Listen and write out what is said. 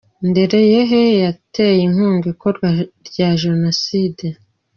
Ndereyehe yateye inkunga ikorwa rya Jenoside .